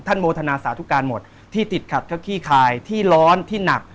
โมทนาสาธุการหมดที่ติดขัดก็ขี้คายที่ร้อนที่หนัก